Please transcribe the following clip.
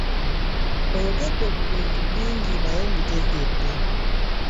Oyogedde ku bintu bingi naye mbitegedde.